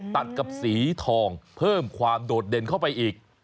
ตัดกับสีทองเพิ่มความโดดเด่นเข้าไปอีก